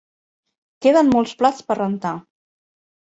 Queden molts plats per rentar.